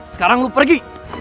sekarang lo pergi